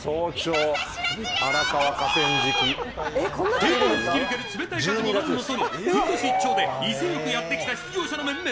堤防を吹き抜ける冷たい風も何のそのふんどし一丁で威勢よくやってきた出場者の面々